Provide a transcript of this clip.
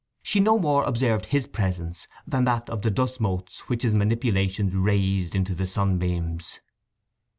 She no more observed his presence than that of the dust motes which his manipulations raised into the sunbeams.